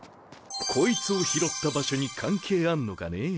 こいつを拾った場所に関係あんのかねぇ。